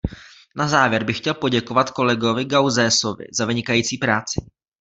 Na závěr bych chtěl poděkovat kolegovi Gauzèsovi za vynikající práci.